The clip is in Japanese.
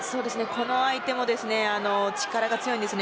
この相手も力が強いんです。